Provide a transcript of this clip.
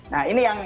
nah ini yang